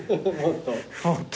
もっと？